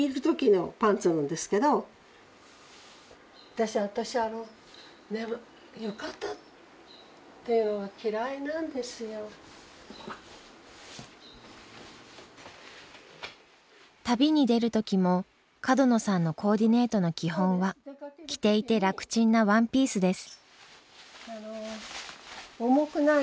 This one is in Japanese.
私あの旅に出る時も角野さんのコーディネートの基本は着ていて楽ちんなワンピースです。